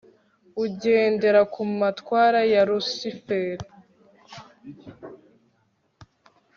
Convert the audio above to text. ugendera ku matwara ya lusiferi